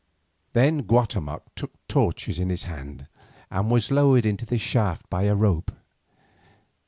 Then Guatemoc took torches in his hand, and was lowered into the shaft by a rope.